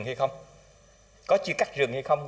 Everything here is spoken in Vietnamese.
đồng chí cắt quânieron